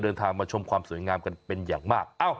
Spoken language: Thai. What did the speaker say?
เดินทางมาชมความสวยงามกันเป็นอย่างมาก